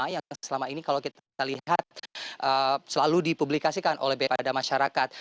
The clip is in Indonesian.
yang selama ini kalau kita lihat selalu dipublikasikan oleh pada masyarakat